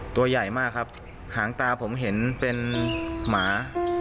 ตัวใหญ่มากครับหางตาผมเห็นเป็นหมา